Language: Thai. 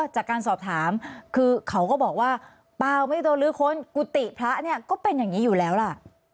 จากการสอบถามคือเขาก็บอกว่าเปล่าไม่โดนลื้อค้นกุฏิพระเนี่ยก็เป็นอย่างนี้อยู่แล้วล่ะ